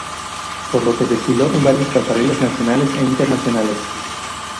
Por lo que desfiló en varias pasarelas nacionales e internacionales.